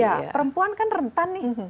ya perempuan kan rentan nih